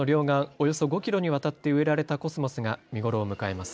およそ５キロにわたって植えられたコスモスが見頃を迎えます。